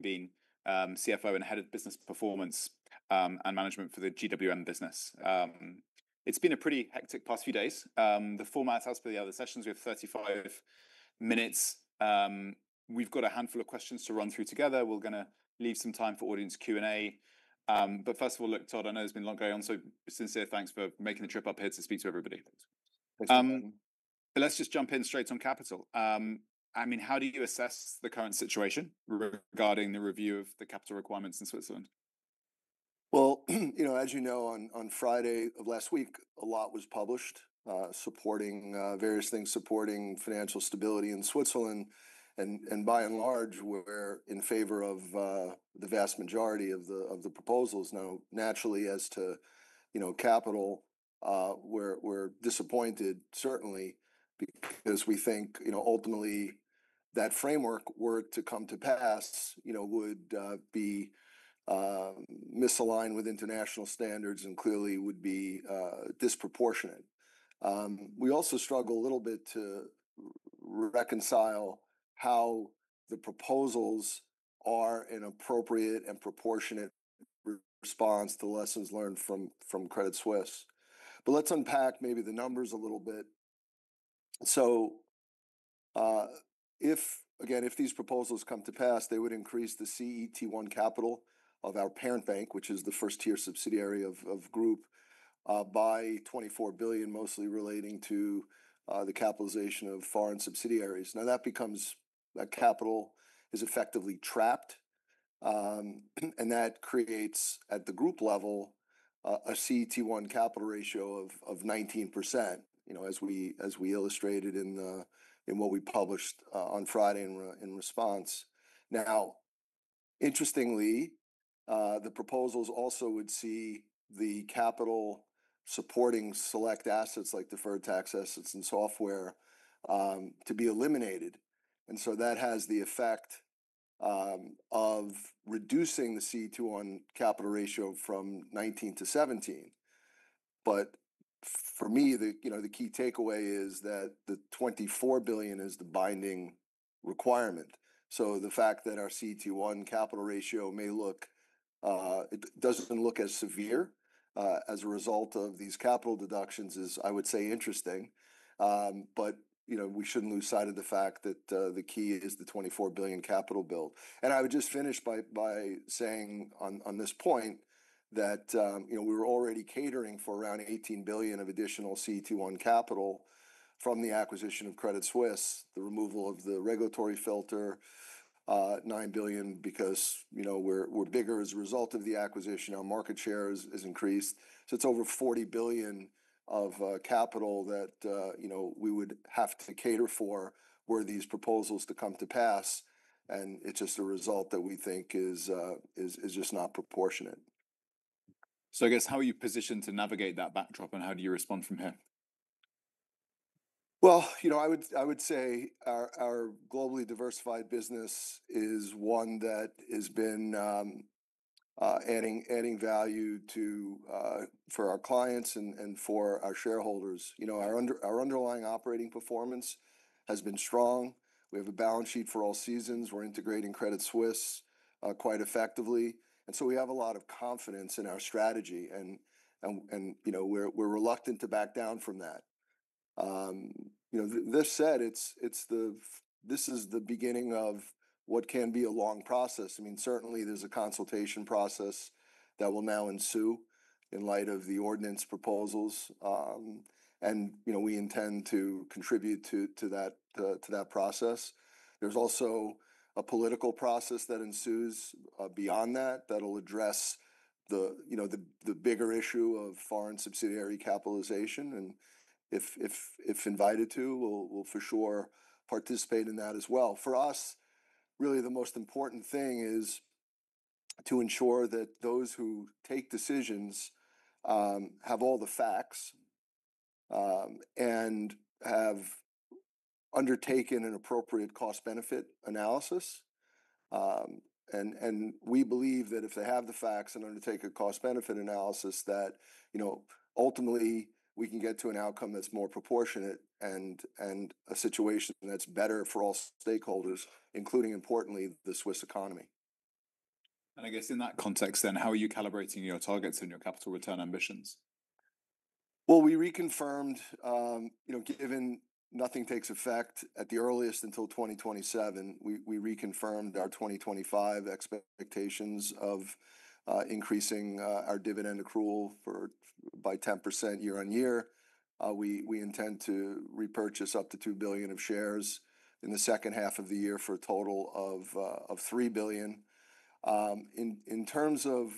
Been CFO and head of business performance and management for the GWM business. It's been a pretty hectic past few days. The format as per the other sessions, we have 35 minutes. We've got a handful of questions to run through together. We're going to leave some time for audience Q&A. First of all, look, Todd, I know it's been a long going on, so sincere thanks for making the trip up here to speak to everybody. Let's just jump in straight on capital. I mean, how do you assess the current situation regarding the review of the capital requirements in Switzerland? You know, as you know, on Friday of last week, a lot was published, supporting various things supporting financial stability in Switzerland. By and large, we're in favor of the vast majority of the proposals. Now, naturally, as to, you know, capital, we're disappointed, certainly, because we think, you know, ultimately, that framework were to come to pass, you know, would be misaligned with international standards and clearly would be disproportionate. We also struggle a little bit to reconcile how the proposals are an appropriate and proportionate response to lessons learned from Credit Suisse. Let's unpack maybe the numbers a little bit. If, again, if these proposals come to pass, they would increase the CET1 capital of our parent bank, which is the first tier subsidiary of group, by $24 billion, mostly relating to the capitalization of foreign subsidiaries. Now, that becomes that capital is effectively trapped, and that creates, at the group level, a CET1 capital ratio of 19%, you know, as we illustrated in what we published on Friday in response. Now, interestingly, the proposals also would see the capital supporting select assets like deferred tax assets and software, to be eliminated. And so that has the effect of reducing the CET1 capital ratio from 19%-17%. For me, the, you know, the key takeaway is that the $24 billion is the binding requirement. The fact that our CET1 capital ratio may look, it does not look as severe, as a result of these capital deductions is, I would say, interesting. You know, we should not lose sight of the fact that the key is the $24 billion capital build. I would just finish by saying on this point that, you know, we were already catering for around $18 billion of additional CET1 capital from the acquisition of Credit Suisse, the removal of the regulatory filter, $9 billion, because, you know, we're bigger as a result of the acquisition. Our market share has increased. It is over $40 billion of capital that, you know, we would have to cater for were these proposals to come to pass. It is just a result that we think is just not proportionate. I guess, how are you positioned to navigate that backdrop, and how do you respond from here? I would say our globally diversified business is one that has been adding value to our clients and for our shareholders. You know, our underlying operating performance has been strong. We have a balance sheet for all seasons. We're integrating Credit Suisse quite effectively. We have a lot of confidence in our strategy, and, you know, we're reluctant to back down from that. This said, this is the beginning of what can be a long process. I mean, certainly, there's a consultation process that will now ensue in light of the ordinance proposals, and, you know, we intend to contribute to that process. There's also a political process that ensues beyond that that'll address the bigger issue of foreign subsidiary capitalization. If invited to, we'll for sure participate in that as well. For us, really, the most important thing is to ensure that those who take decisions have all the facts and have undertaken an appropriate cost-benefit analysis. We believe that if they have the facts and undertake a cost-benefit analysis, that, you know, ultimately, we can get to an outcome that's more proportionate and a situation that's better for all stakeholders, including, importantly, the Swiss economy. I guess, in that context, then, how are you calibrating your targets and your capital return ambitions? You know, given nothing takes effect at the earliest until 2027, we reconfirmed our 2025 expectations of increasing our dividend accrual by 10% year-on-year. We intend to repurchase up to $2 billion of shares in the second half of the year for a total of $3 billion. In terms of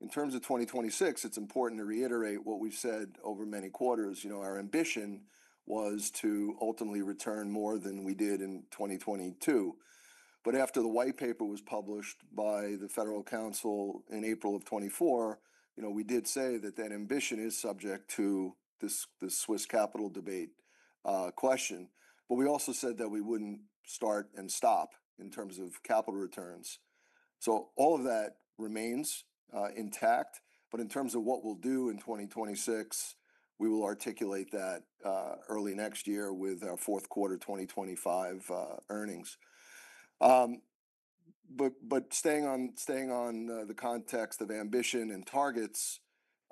2026, it's important to reiterate what we've said over many quarters. You know, our ambition was to ultimately return more than we did in 2022. After the white paper was published by the Federal Council in April of 2024, you know, we did say that that ambition is subject to this Swiss capital debate question. We also said that we would not start and stop in terms of capital returns. All of that remains intact. In terms of what we'll do in 2026, we will articulate that early next year with our fourth quarter 2025 earnings. Staying on the context of ambition and targets,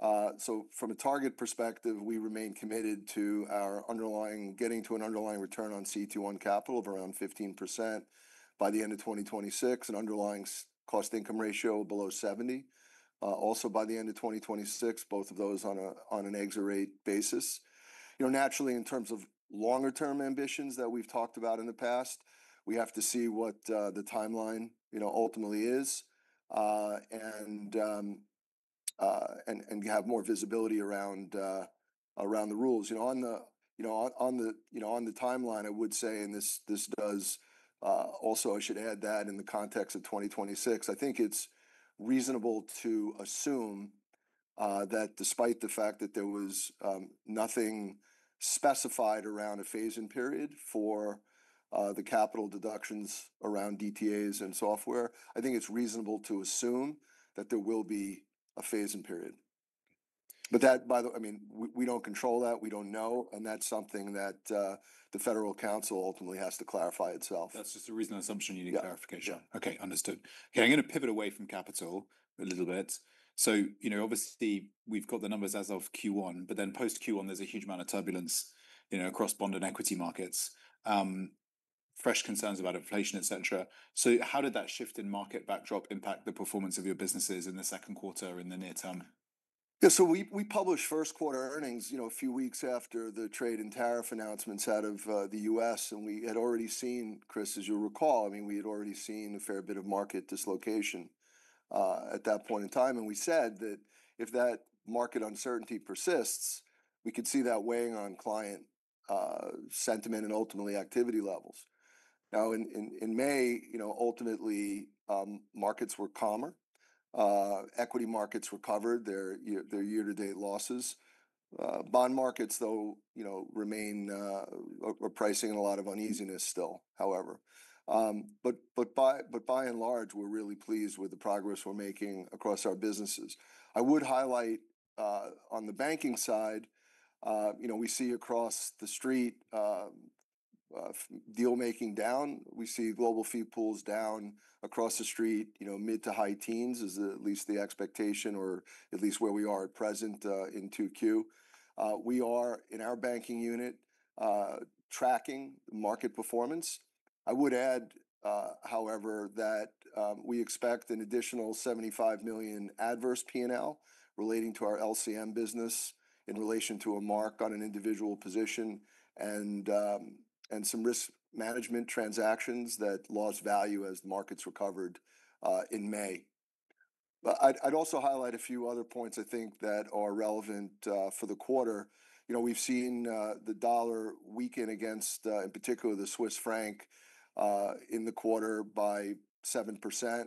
from a target perspective, we remain committed to getting to an underlying return on CET1 capital of around 15% by the end of 2026, an underlying cost-income ratio below 70% also by the end of 2026, both of those on an exit rate basis. You know, naturally, in terms of longer-term ambitions that we've talked about in the past, we have to see what the timeline ultimately is, and have more visibility around the rules. You know, on the timeline, I would say, and this does, also, I should add that in the context of 2026, I think it's reasonable to assume that despite the fact that there was nothing specified around a phase-in period for the capital deductions around DTAs and software, I think it's reasonable to assume that there will be a phase-in period. By the way, I mean, we don't control that. We don't know. That's something that the Federal Council ultimately has to clarify itself. That's just a reasonable assumption. You need clarification. Yeah. Okay. Understood. Okay. I'm going to pivot away from capital a little bit. So, you know, obviously, we've got the numbers as of Q1, but then post-Q1, there's a huge amount of turbulence, you know, across bond and equity markets, fresh concerns about inflation, et cetera. So how did that shift in market backdrop impact the performance of your businesses in the second quarter in the near term? Yeah. So we published first quarter earnings, you know, a few weeks after the trade and tariff announcements out of the U.S. And we had already seen, Chris, as you'll recall, I mean, we had already seen a fair bit of market dislocation at that point in time. We said that if that market uncertainty persists, we could see that weighing on client sentiment and ultimately activity levels. Now, in May, you know, ultimately, markets were calmer. Equity markets recovered their year-to-date losses. Bond markets, though, you know, are pricing in a lot of uneasiness still, however. By and large, we're really pleased with the progress we're making across our businesses. I would highlight, on the banking side, you know, we see across the street, dealmaking down. We see global fee pools down across the street, you know, mid to high teens is at least the expectation or at least where we are at present, in 2Q. We are in our banking unit, tracking the market performance. I would add, however, that we expect an additional $75 million adverse P&L relating to our LCM business in relation to a mark on an individual position and some risk management transactions that lost value as the markets recovered, in May. I'd also highlight a few other points, I think, that are relevant, for the quarter. You know, we've seen the dollar weaken against, in particular, the Swiss franc, in the quarter by 7%.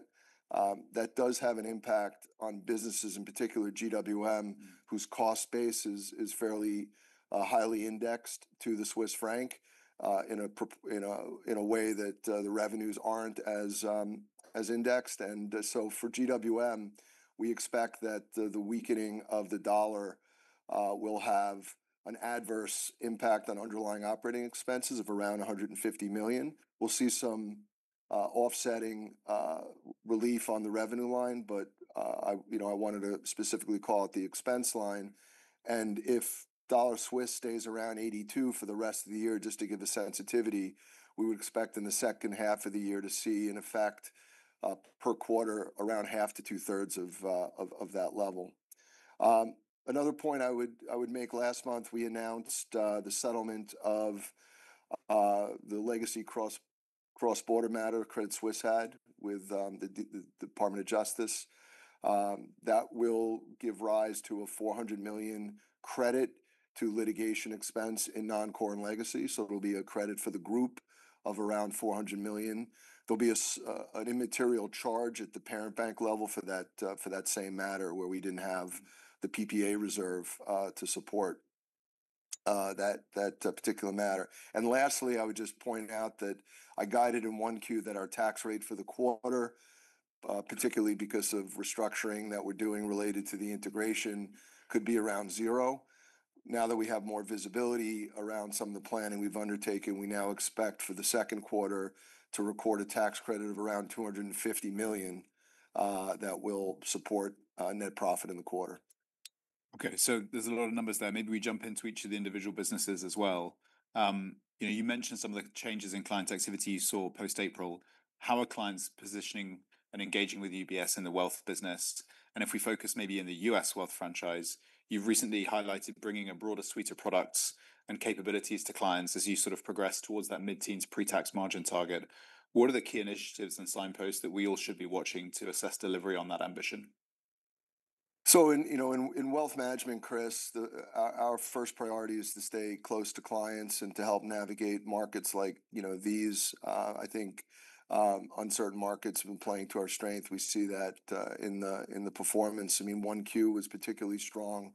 That does have an impact on businesses, in particular, GWM, whose cost base is fairly, highly indexed to the Swiss franc, in a way that the revenues aren't as indexed. For GWM, we expect that the weakening of the dollar will have an adverse impact on underlying operating expenses of around $150 million. We'll see some offsetting relief on the revenue line, but, I, you know, I wanted to specifically call it the expense line. If dollar-Swiss stays around 0.82 for the rest of the year, just to give a sensitivity, we would expect in the second half of the year to see, in effect, per quarter, around half to two-thirds of that level. Another point I would make: last month, we announced the settlement of the legacy cross-border matter Credit Suisse had with the Department of Justice. That will give rise to a $400 million credit to litigation expense in Non-Core & Legacy. There will be a credit for the group of around $400 million. There will be an immaterial charge at the parent bank level for that same matter where we did not have the PPA reserve to support that particular matter. Lastly, I would just point out that I guided in Q1 that our tax rate for the quarter, particularly because of restructuring that we are doing related to the integration, could be around zero. Now that we have more visibility around some of the planning we've undertaken, we now expect for the second quarter to record a tax credit of around $250 million, that will support net profit in the quarter. Okay. So there's a lot of numbers there. Maybe we jump into each of the individual businesses as well. You know, you mentioned some of the changes in client activity you saw post-April. How are clients positioning and engaging with UBS in the wealth business? If we focus maybe in the U.S. wealth franchise, you've recently highlighted bringing a broader suite of products and capabilities to clients as you sort of progress towards that mid-teens pre-tax margin target. What are the key initiatives and signposts that we all should be watching to assess delivery on that ambition? In wealth management, Chris, our first priority is to stay close to clients and to help navigate markets like, you know, these. I think uncertain markets have been playing to our strength. We see that in the performance. I mean, Q1 was particularly strong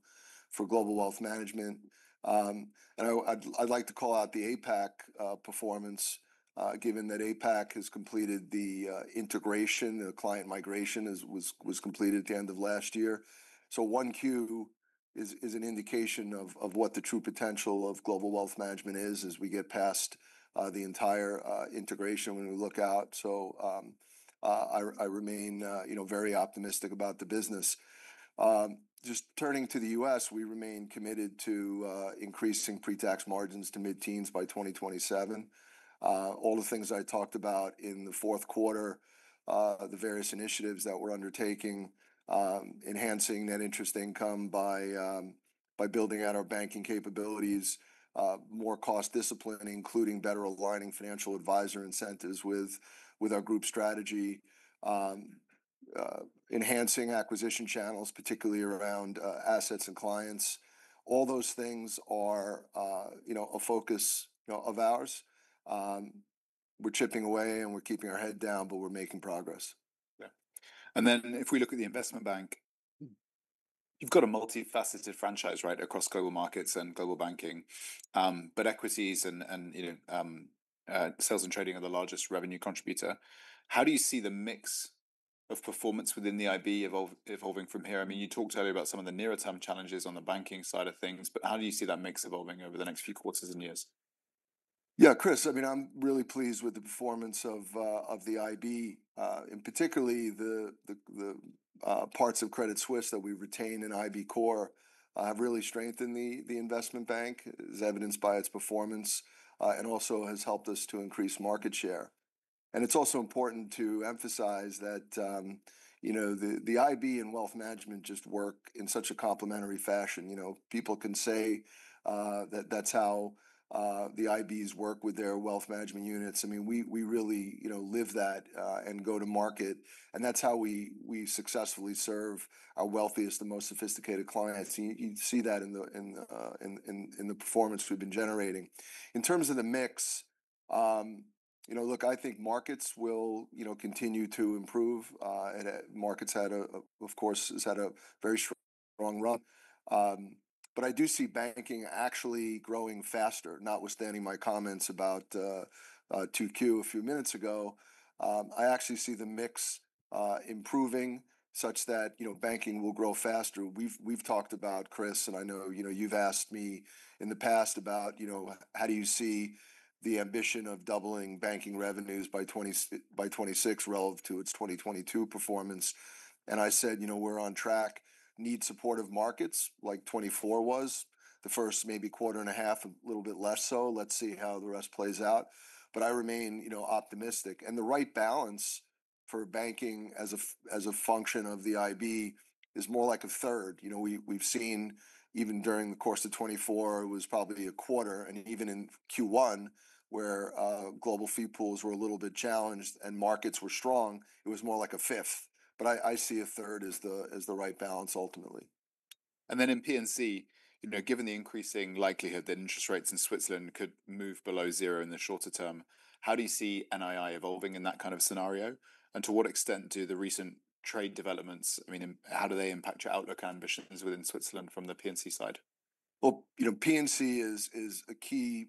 for global wealth management. I'd like to call out the APAC performance, given that APAC has completed the integration, the client migration was completed at the end of last year. Q1 is an indication of what the true potential of global wealth management is as we get past the entire integration when we look out. I remain, you know, very optimistic about the business. Just turning to the U.S., we remain committed to increasing pre-tax margins to mid-teens by 2027. All the things I talked about in the fourth quarter, the various initiatives that we're undertaking, enhancing net interest income by building out our banking capabilities, more cost discipline, including better aligning financial advisor incentives with our group strategy, enhancing acquisition channels, particularly around assets and clients. All those things are, you know, a focus, you know, of ours. We're chipping away, and we're keeping our head down, but we're making progress. Yeah. If we look at the investment bank, you've got a multifaceted franchise, right, across global markets and global banking. Equities and, you know, sales and trading are the largest revenue contributor. How do you see the mix of performance within the IB evolving from here? I mean, you talked earlier about some of the nearer-term challenges on the banking side of things, but how do you see that mix evolving over the next few quarters and years? Yeah, Chris, I mean, I'm really pleased with the performance of the IB, in particular the parts of Credit Suisse that we retain in IB Corp have really strengthened the investment bank, as evidenced by its performance, and also has helped us to increase market share. It's also important to emphasize that, you know, the IB and wealth management just work in such a complementary fashion. You know, people can say that that's how the IBs work with their wealth management units. I mean, we really, you know, live that, and go to market. That's how we successfully serve our wealthiest, the most sophisticated clients. You see that in the performance we've been generating. In terms of the mix, you know, look, I think markets will, you know, continue to improve. and markets had a, of course, has had a very strong run. I do see banking actually growing faster, notwithstanding my comments about 2Q a few minutes ago. I actually see the mix improving such that, you know, banking will grow faster. We've talked about, Chris, and I know, you know, you've asked me in the past about, you know, how do you see the ambition of doubling banking revenues by 2026 relative to its 2022 performance? I said, you know, we're on track, need supportive markets like 2024 was, the first maybe quarter and a half, a little bit less so. Let's see how the rest plays out. I remain, you know, optimistic. The right balance for banking as a function of the IB is more like a third. You know, we've seen even during the course of 2024, it was probably a quarter. Even in Q1, where global fee pools were a little bit challenged and markets were strong, it was more like a fifth. I see a third as the right balance ultimately. In P&C, you know, given the increasing likelihood that interest rates in Switzerland could move below zero in the shorter term, how do you see NII evolving in that kind of scenario? And to what extent do the recent trade developments, I mean, how do they impact your outlook and ambitions within Switzerland from the P&C side? P&C is a key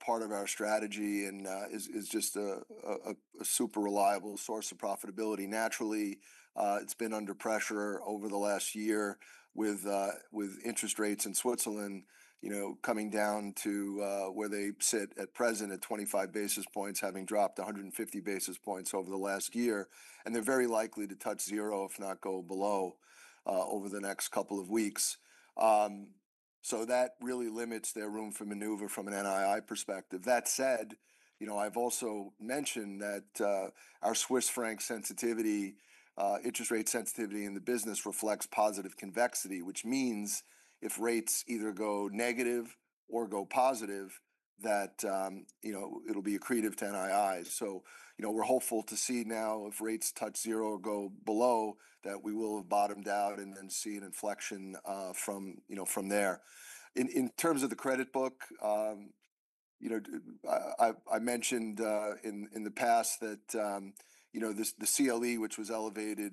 part of our strategy and is just a super reliable source of profitability. Naturally, it has been under pressure over the last year with interest rates in Switzerland coming down to where they sit at present at 25 basis points, having dropped 150 basis points over the last year. They are very likely to touch zero, if not go below, over the next couple of weeks. That really limits their room for maneuver from an NII perspective. That said, I have also mentioned that our Swiss franc sensitivity, interest rate sensitivity in the business reflects positive convexity, which means if rates either go negative or go positive, it will be accretive to NIIs. You know, we're hopeful to see now if rates touch zero or go below, that we will have bottomed out and then see an inflection from there. In terms of the credit book, I mentioned in the past that the CLE, which was elevated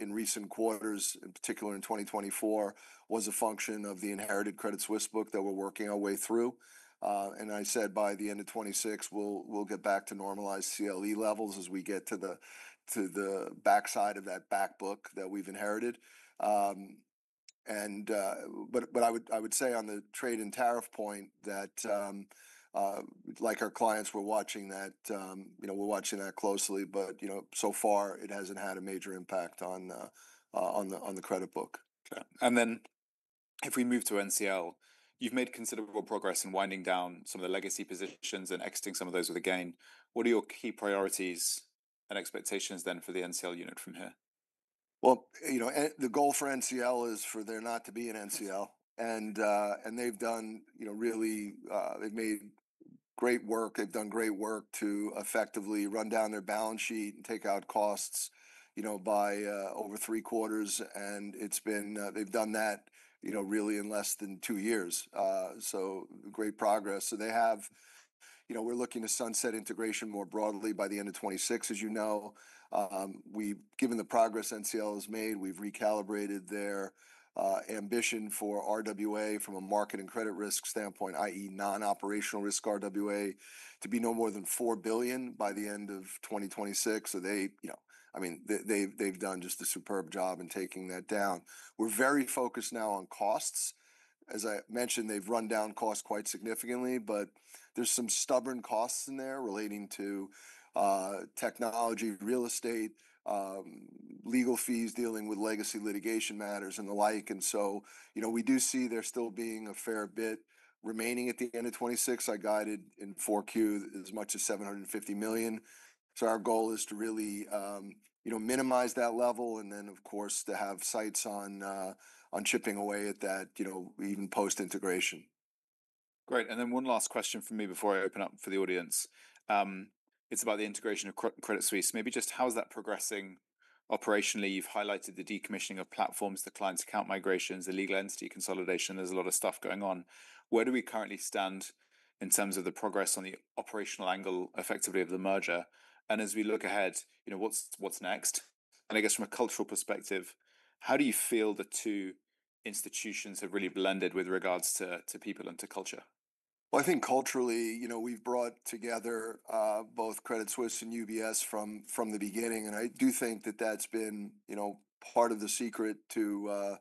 in recent quarters, in particular in 2024, was a function of the inherited Credit Suisse book that we're working our way through. I said by the end of 2026, we'll get back to normalized CLE levels as we get to the backside of that backbook that we've inherited. I would say on the trade and tariff point that, like our clients, we're watching that closely. You know, so far, it hasn't had a major impact on the credit book. Yeah. If we move to NCL, you've made considerable progress in winding down some of the legacy positions and exiting some of those with a gain. What are your key priorities and expectations then for the NCL unit from here? You know, the goal for NCL is for there not to be an NCL. They have done, you know, really, they have made great work. They have done great work to effectively run down their balance sheet and take out costs, you know, by over three quarters. They have done that, you know, really in less than two years. So great progress. They have, you know, we are looking to sunset integration more broadly by the end of 2026, as you know. We have given the progress NCL has made. We have recalibrated their ambition for RWA from a market and credit risk standpoint, i.e., non-operational risk RWA, to be no more than $4 billion by the end of 2026. They have, you know, I mean, they have done just a superb job in taking that down. We are very focused now on costs. As I mentioned, they've run down costs quite significantly, but there's some stubborn costs in there relating to technology, real estate, legal fees, dealing with legacy litigation matters and the like. You know, we do see there still being a fair bit remaining at the end of 2026. I guided in 4Q as much as $750 million. Our goal is to really, you know, minimize that level and then, of course, to have sights on chipping away at that, you know, even post-integration. Great. And then one last question from me before I open up for the audience. It's about the integration of Credit Suisse. Maybe just how's that progressing operationally? You've highlighted the decommissioning of platforms, the client's account migrations, the legal entity consolidation. There's a lot of stuff going on. Where do we currently stand in terms of the progress on the operational angle effectively of the merger? As we look ahead, you know, what's next? I guess from a cultural perspective, how do you feel the two institutions have really blended with regards to people and to culture? I think culturally, you know, we've brought together both Credit Suisse and UBS from the beginning. I do think that that's been, you know, part of the secret to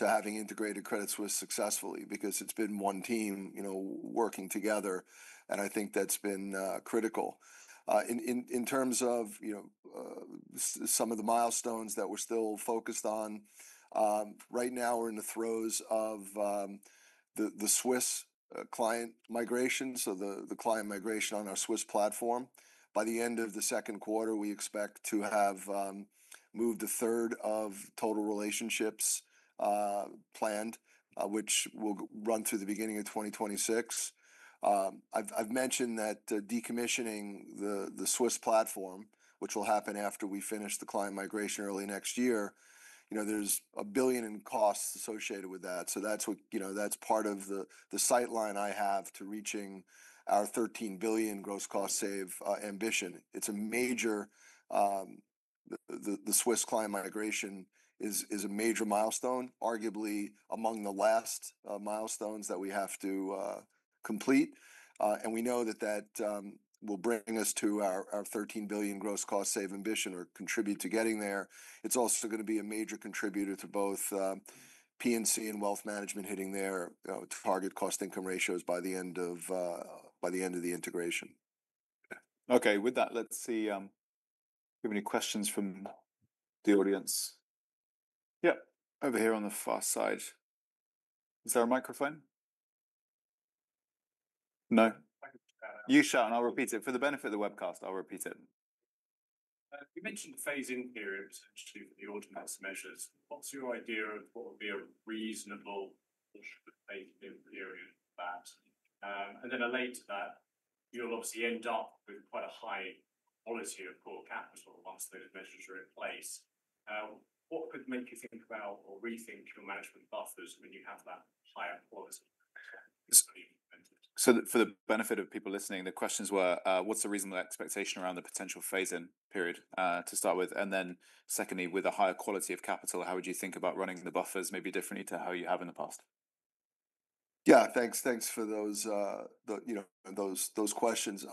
having integrated Credit Suisse successfully because it's been one team, you know, working together. I think that's been critical. In terms of, you know, some of the milestones that we're still focused on, right now, we're in the throes of the Swiss client migration. The client migration on our Swiss platform, by the end of the second quarter, we expect to have moved a third of total relationships planned, which will run through the beginning of 2026. I've mentioned that decommissioning the Swiss platform, which will happen after we finish the client migration early next year, you know, there's $1 billion in costs associated with that. That's what, you know, that's part of the sightline I have to reaching our $13 billion gross cost save ambition. It's a major, the Swiss client migration is a major milestone, arguably among the last milestones that we have to complete. We know that will bring us to our $13 billion gross cost save ambition or contribute to getting there. It's also going to be a major contributor to both P&C and wealth management hitting their target cost-income ratios by the end of the integration. Okay. With that, let's see if we have any questions from the audience. Yeah, over here on the far side. Is there a microphone? No. You shall, and I'll repeat it. For the benefit of the webcast, I'll repeat it. You mentioned phase-in periods for the ordinance measures. What's your idea of what would be a reasonable portion of phase-in period for that? Related to that, you'll obviously end up with quite a high quality of core capital once those measures are in place. What could make you think about or rethink your management buffers when you have that higher quality? For the benefit of people listening, the questions were, what's the reasonable expectation around the potential phase-in period to start with? Then secondly, with a higher quality of capital, how would you think about running the buffers maybe differently to how you have in the past? Yeah, thanks. Thanks for those, you know, those questions.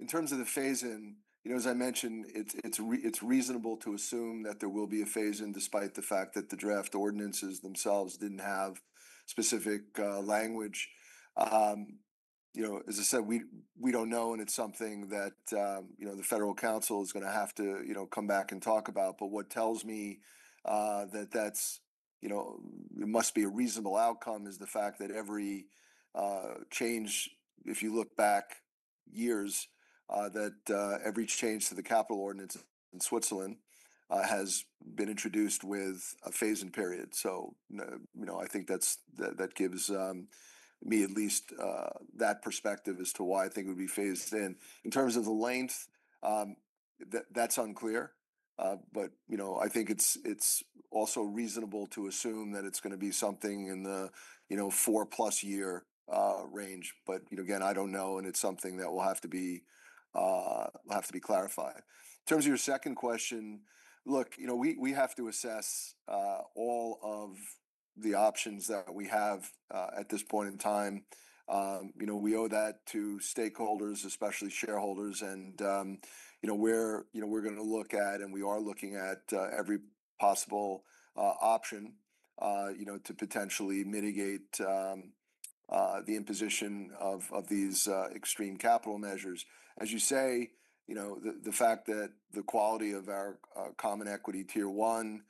In terms of the phase-in, you know, as I mentioned, it's reasonable to assume that there will be a phase-in despite the fact that the draft ordinances themselves did not have specific language. You know, as I said, we do not know, and it's something that, you know, the Federal Council is going to have to, you know, come back and talk about. What tells me that that's, you know, it must be a reasonable outcome is the fact that every change, if you look back years, that every change to the capital ordinance in Switzerland has been introduced with a phase-in period. You know, I think that gives me at least that perspective as to why I think it would be phased in. In terms of the length, that's unclear. You know, I think it's also reasonable to assume that it's going to be something in the 4+ year range. You know, again, I don't know, and it's something that will have to be clarified. In terms of your second question, look, you know, we have to assess all of the options that we have at this point in time. You know, we owe that to stakeholders, especially shareholders. You know, we're going to look at, and we are looking at, every possible option, you know, to potentially mitigate the imposition of these extreme capital measures. As you say, you know, the fact that the quality of our common equity tier one,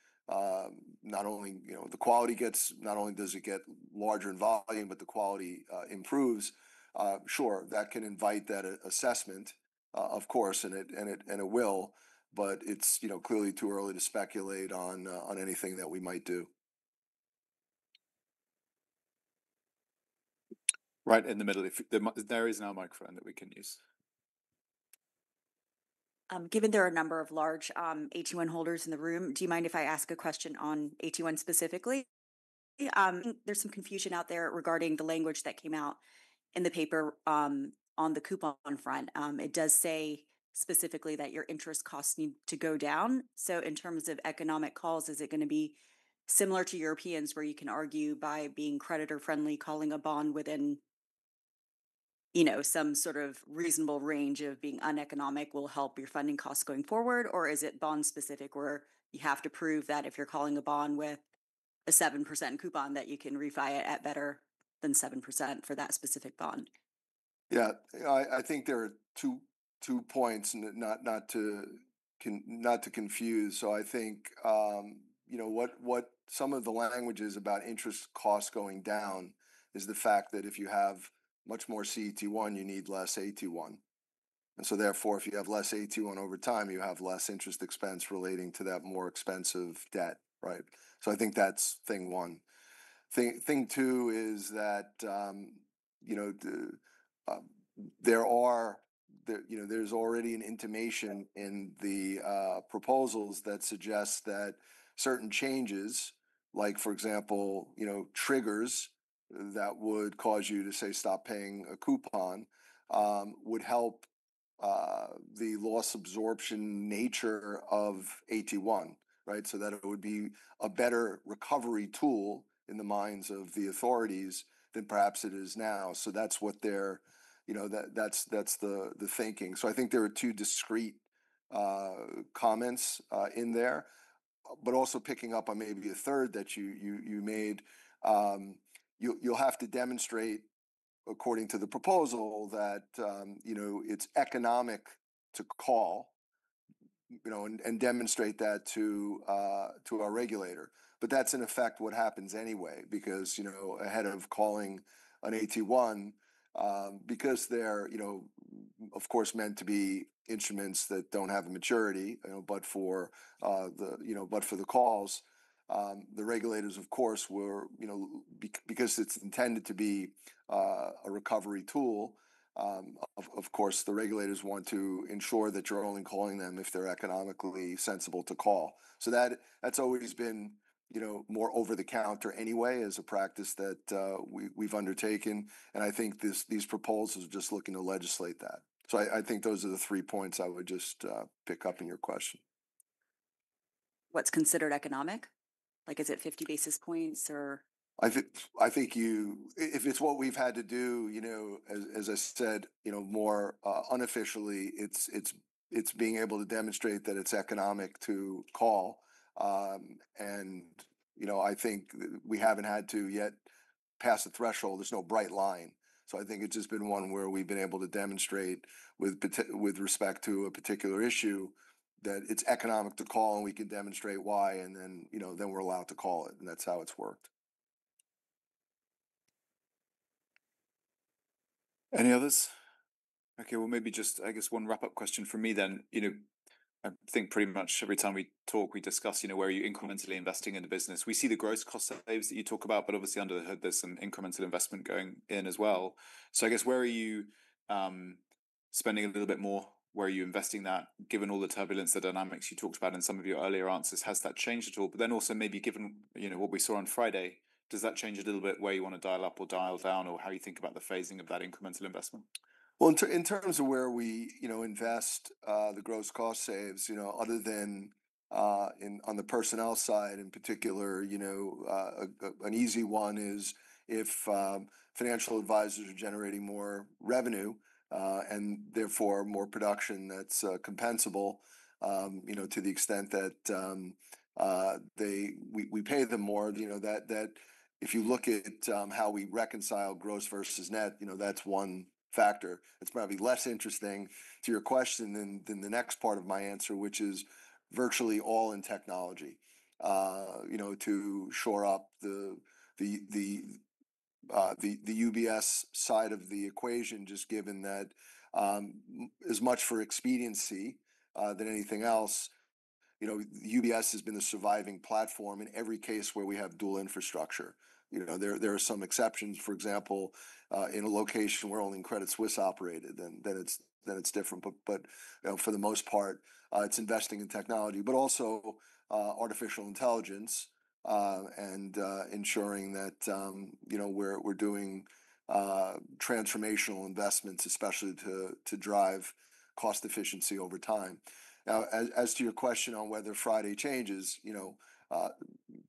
not only, you know, the quality gets, not only does it get larger in volume, but the quality improves, sure, that can invite that assessment, of course, and it will, but it's, you know, clearly too early to speculate on anything that we might do. Right in the middle if there is now a microphone that we can use. Given there are a number of large AT1 holders in the room, do you mind if I ask a question on AT1 specifically? There's some confusion out there regarding the language that came out in the paper on the coupon front. It does say specifically that your interest costs need to go down. In terms of economic calls, is it going to be similar to Europeans where you can argue by being creditor-friendly, calling a bond within, you know, some sort of reasonable range of being uneconomic will help your funding costs going forward? Or is it bond-specific where you have to prove that if you're calling a bond with a 7% coupon that you can refile it at better than 7% for that specific bond? Yeah, I think there are two points and not to confuse. I think, you know, what some of the language is about interest costs going down is the fact that if you have much more CET1, you need less AT1. Therefore, if you have less AT1 over time, you have less interest expense relating to that more expensive debt, right? I think that's thing one. Thing two is that, you know, there's already an intimation in the proposals that suggests that certain changes, like for example, triggers that would cause you to say stop paying a coupon, would help the loss absorption nature of AT1, right? That it would be a better recovery tool in the minds of the authorities than perhaps it is now. That's what they're, you know, that's the thinking. I think there are two discreet comments in there, but also picking up on maybe a third that you made. You'll have to demonstrate according to the proposal that, you know, it's economic to call, you know, and demonstrate that to our regulator. That's in effect what happens anyway because, you know, ahead of calling an AT1, because they're, you know, of course, meant to be instruments that don't have a maturity, but for the calls, the regulators, of course, were, you know, because it's intended to be a recovery tool, of course, the regulators want to ensure that you're only calling them if they're economically sensible to call. That has always been, you know, more over the counter anyway as a practice that we've undertaken. I think these proposals are just looking to legislate that. I think those are the three points I would just pick up in your question. What's considered economic? Like, is it 50 basis points or? I think if it's what we've had to do, you know, as I said, you know, more unofficially, it's being able to demonstrate that it's economic to call. You know, I think we haven't had to yet pass a threshold. There's no bright line. I think it's just been one where we've been able to demonstrate with respect to a particular issue that it's economic to call and we can demonstrate why. You know, then we're allowed to call it. That's how it's worked. Any others? Okay. Maybe just, I guess, one wrap-up question for me then. You know, I think pretty much every time we talk, we discuss, you know, where are you incrementally investing in the business. We see the gross cost saves that you talk about, but obviously under the hood, there's some incremental investment going in as well. I guess where are you spending a little bit more? Where are you investing that given all the turbulence, the dynamics you talked about in some of your earlier answers? Has that changed at all? Also maybe given, you know, what we saw on Friday, does that change a little bit where you want to dial up or dial down or how you think about the phasing of that incremental investment? In terms of where we, you know, invest, the gross cost saves, you know, other than on the personnel side in particular, you know, an easy one is if financial advisors are generating more revenue, and therefore more production that's compensable, you know, to the extent that we pay them more, you know, if you look at how we reconcile gross versus net, you know, that's one factor. It's probably less interesting to your question than the next part of my answer, which is virtually all in technology, you know, to shore up the UBS side of the equation, just given that, as much for expediency than anything else, you know, UBS has been the surviving platform in every case where we have dual infrastructure. You know, there are some exceptions, for example, in a location where only Credit Suisse operated, then it's different. But, you know, for the most part, it's investing in technology, but also artificial intelligence, and ensuring that, you know, we're doing transformational investments, especially to drive cost efficiency over time. Now, as to your question on whether Friday changes, you know,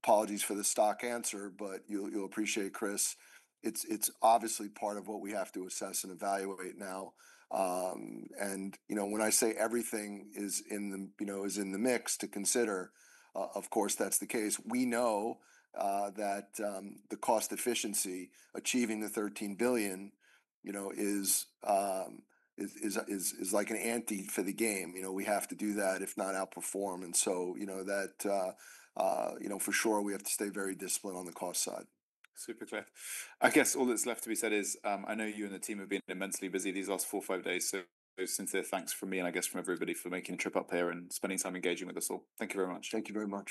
apologies for the stock answer, but you'll appreciate, Chris, it's obviously part of what we have to assess and evaluate now. And, you know, when I say everything is in the mix to consider, of course, that's the case. We know that the cost efficiency achieving the $13 billion, you know, is like an ante for the game. You know, we have to do that if not outperform. You know, that, you know, for sure, we have to stay very disciplined on the cost side. Super clear. I guess all that's left to be said is, I know you and the team have been immensely busy these last four or five days. So Cynthia, thanks from me and I guess from everybody for making a trip up here and spending time engaging with us all. Thank you very much. Thank you very much.